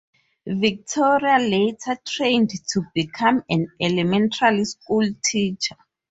Victoria later trained to become an elementary school teacher.